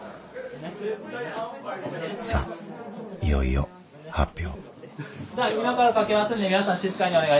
さあいよいよ発表。